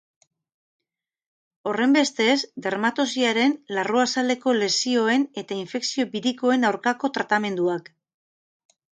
Horrenbestez, dermatosiaren, larruazaleko lesioen eta infekzio birikoen aurkako tratamenduak.